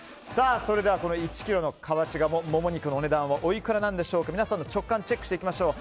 それでは１ｋｇの河内鴨もも肉のお値段はおいくらなんでしょうか皆さんの直感をチェックしていきましょう。